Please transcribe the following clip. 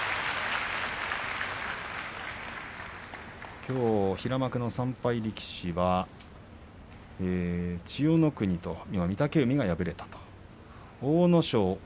きょう平幕の３敗力士は千代の国と御嶽海が敗れ